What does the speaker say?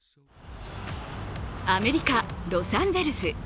アメリカ・ロサンゼルス。